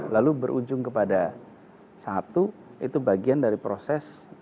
lalu berujung kepada satu itu bagian dari proses